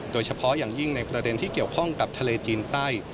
โดยเฉพาะอย่างยิ่งในประเด็นที่เกี่ยวข้องกับทะเลจีนใต้